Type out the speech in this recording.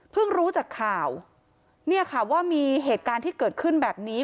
รู้จากข่าวเนี่ยค่ะว่ามีเหตุการณ์ที่เกิดขึ้นแบบนี้